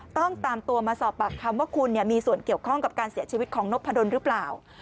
ต้องตามตัวมาสอบปากคำว่าคุณมีส่วนเกี่ยวข้องกับการเสียชีวิตของนพดลหรือเปล่า